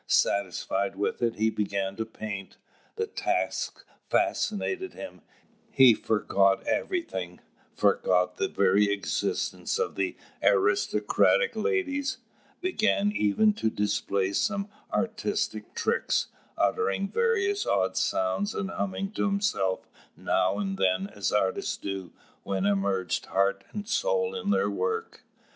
Satisfied with it, he began to paint. The task fascinated him; he forgot everything, forgot the very existence of the aristocratic ladies, began even to display some artistic tricks, uttering various odd sounds and humming to himself now and then as artists do when immersed heart and soul in their work.